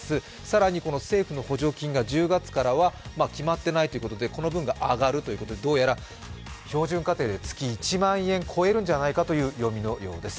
更に政府の補助金が１０月からは決まっていないということで、この分が上がるということでどうやら標準家庭で月１万円超えるんじゃないかという読みのようです。